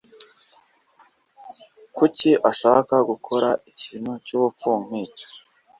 Kuki ashaka gukora ikintu cyubupfu nkicyo?